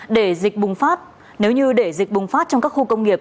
để dịch bùng phát nếu như để dịch bùng phát trong các khu công nghiệp